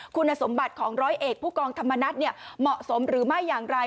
คุณสมบัติของร้อยเอกผู้กองธรรมนัฐเหมาะสมหรือไม่อย่างไร